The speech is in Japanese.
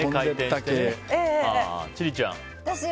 千里ちゃん。